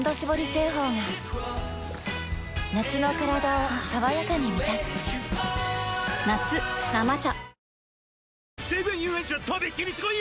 製法が夏のカラダを爽やかに満たす夏「生茶」